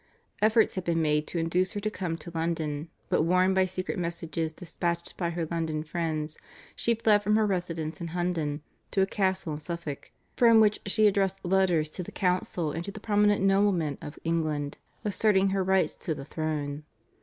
Efforts had been made to induce her to come to London, but warned by secret messages dispatched by her London friends, she fled from her residence in Hundon to a castle in Suffolk, from which she addressed letters to the council and to the prominent noblemen of England asserting her rights to the throne.